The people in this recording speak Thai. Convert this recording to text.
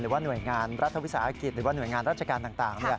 หรือว่าหน่วยงานรัฐวิสาหกิจหรือว่าหน่วยงานราชการต่าง